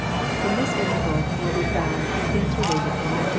In this interval will be found the things related in Matthew x.